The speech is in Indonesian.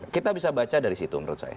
kita bisa baca dari situ menurut saya